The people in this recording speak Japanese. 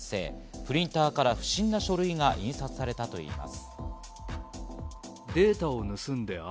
プリンターから不審な書類が印刷されたといいます。